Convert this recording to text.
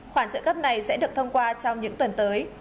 khoản trợ cấp này sẽ được thông qua trong những tuần tới